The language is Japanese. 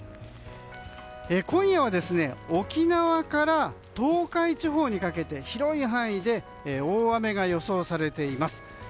今夜は沖縄から東海地方にかけて広い範囲で大雨が予想されています。